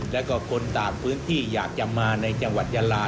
แล้วก็คนต่างพื้นที่อยากจะมาในจังหวัดยาลา